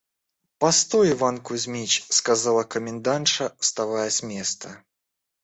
– Постой, Иван Кузьмич, – сказала комендантша, вставая с места.